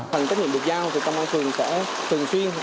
bằng trách nhiệm được giao tâm an phường sẽ thường xuyên